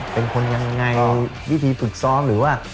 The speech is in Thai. เป็นคนยังไงวิธีฝึกซ้อมหรือว่า